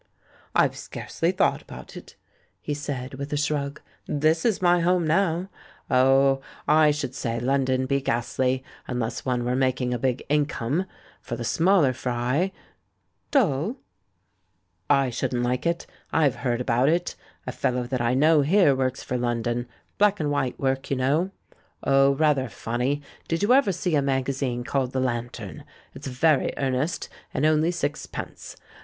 "I've scarcely thought about it," he said, with a shrug; "this is my home now. Oh, I should say London'd be ghastly — unless one were mak ing a big income. For the smaller fry " "Dull?" 300 THE MAN WHO UNDERSTOOD WOMEN "I shouldn't like it. I've heard about it. A fellow that I know here works for London — black and white work, you know. Oh, rather funny ! Did you ever see a magazine called The Lantern? It's very earnest — and only sixpence.